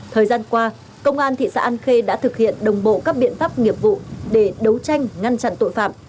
thời gian qua công an thị xã an khê đã thực hiện đồng bộ các biện pháp nghiệp vụ để đấu tranh ngăn chặn tội phạm